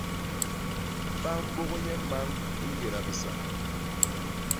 Ba mbôk nye mañg i ñgéda bisañ.